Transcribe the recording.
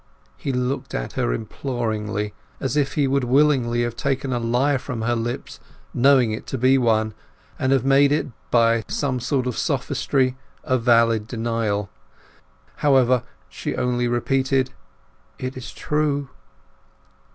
He looked at her imploringly, as if he would willingly have taken a lie from her lips, knowing it to be one, and have made of it, by some sort of sophistry, a valid denial. However, she only repeated— "It is true."